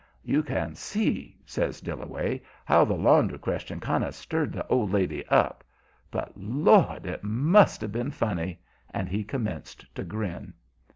You can see," says Dillaway, "how the laundry question kind of stirred the old lady up. But, Lord! it must have been funny," and he commenced to grin.